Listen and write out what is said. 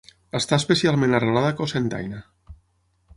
Està especialment arrelada a Cocentaina.